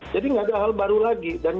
jadi tidak ada hal baru lagi